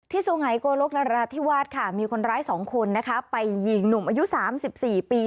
ที่สวงหายโกลกนรรทิวาสค่ะมีคนร้าย๒คนไปยิงหนุ่มอายุ๓๔ปี